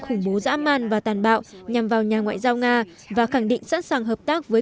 khủng bố dã man và tàn bạo nhằm vào nhà ngoại giao nga và khẳng định sẵn sàng hợp tác với